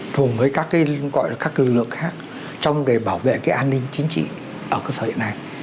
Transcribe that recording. cùng với các lực lượng khác trong để bảo vệ an ninh chính trị ở cơ sở hiện nay